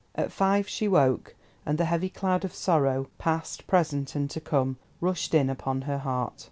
At five she woke, and the heavy cloud of sorrow, past, present, and to come, rushed in upon her heart.